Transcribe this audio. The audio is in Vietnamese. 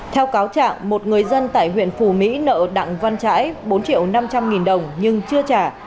theo cáo trạng một người dân tại huyện phù mỹ nợ đặng văn trãi bốn triệu năm trăm linh nghìn đồng nhưng chưa trả